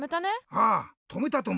ああとめたとも。